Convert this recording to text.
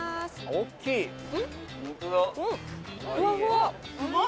大っきい！